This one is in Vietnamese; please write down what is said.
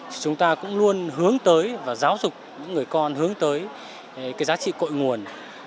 thì chúng ta cũng luôn hướng tới và giáo dục những người con hướng tới cái giá trị cội nguồn